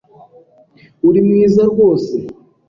Urimwiza rwose.